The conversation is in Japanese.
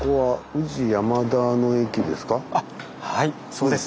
はいそうです。